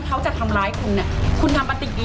ปากกับภูมิ